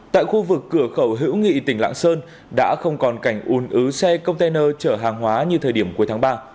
tại khu vực cửa khẩu hữu nghị tỉnh lạng sơn đã không còn cảnh un ứ xe container chở hàng hóa như thời điểm cuối tháng ba